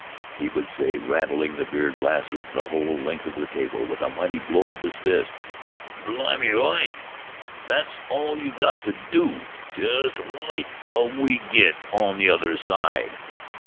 he would say, rattling the beer glasses the whole length of the table with a mighty blow of his fist. "Blimy! Wite! That's all you got to do! Just wite till we get on the other side!"